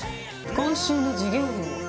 今週の授業料を。